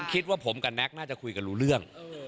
คิดว่าผมกับแก๊กน่าจะคุยกันรู้เรื่อง